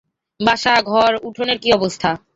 বাসা, ঘর, উঠোনের কি অবস্থা?